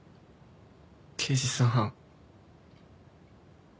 刑事さん。